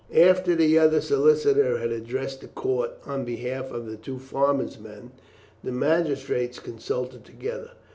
After the other solicitor had addressed the court on behalf of the two farmers' men, the magistrates consulted together.